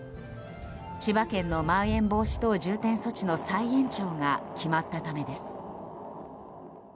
千葉県のまん延防止等重点措置の再延長が決まったためです。